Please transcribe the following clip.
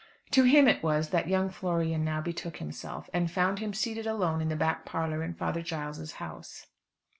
To him it was that young Florian now betook himself, and found him seated alone in the back parlour in Father Giles's house.